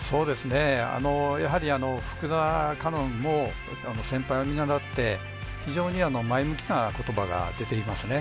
やはり福田果音も先輩を見習って非常に前向きなことばが出ていますね。